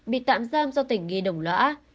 bị tạm giam do tỉnh nghi đồng lõa